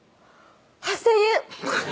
「８０００円！」